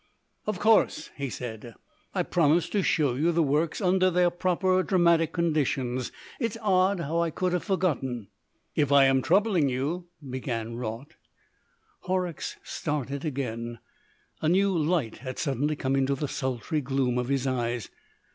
"Of course," he said, "I promised to show you the works under their proper dramatic conditions. It's odd how I could have forgotten." "If I am troubling you" began Raut. Horrocks started again. A new light had suddenly come into the sultry gloom of his eyes.